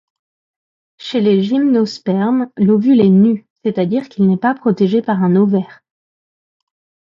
Chez les Gymnospermes, l'ovule est nu, c'est-à-dire qu'il n'est pas protégé par un ovaire.